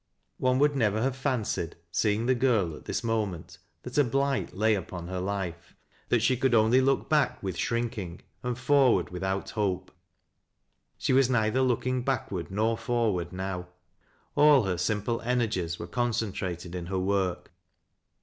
One would never have fancied, seeing the girl at this ino nent, that a blight lay upon her life, that she cMild onlj 136 THAT LASS (T LOWRIE'S. look back with shrinking and forward without hope fehe was neither looking backward nor forward now, — all her simple energies were concentrated in her work.